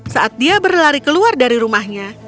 saat dia berlari keluar dari rumahnya